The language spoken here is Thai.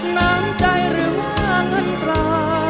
น้ำใจหรือว่าเงินตรา